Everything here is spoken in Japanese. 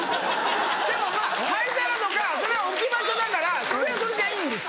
でも灰皿とかそれは置き場所だからそれはそれでいいんです。